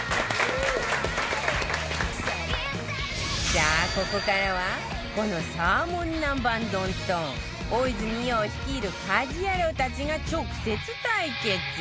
さあここからはこのサーモン南蛮丼と大泉洋率いる家事ヤロウたちが直接対決